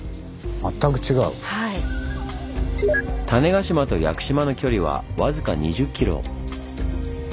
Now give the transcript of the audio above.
種子島と屋久島の距離は僅か２０ｋｍ。